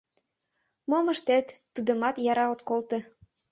Мом ыштет — тудымат яра от колто.